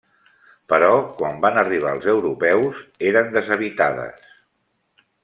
Però quan van arribar els europeus eren deshabitades.